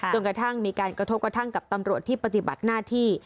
จนกระทั่งมีการกระทบกระทั่งกับตำรวจที่ปฏิบัติหน้าที่